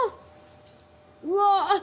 うわ